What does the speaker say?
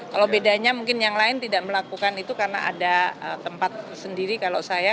kalau bedanya mungkin yang lain tidak melakukan itu karena ada tempat sendiri kalau saya